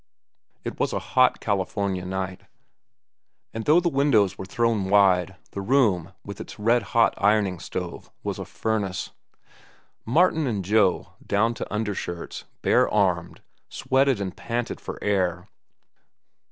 It was a hot California night, and though the windows were thrown wide, the room, with its red hot ironing stove, was a furnace. Martin and Joe, down to undershirts, bare armed, sweated and panted for air.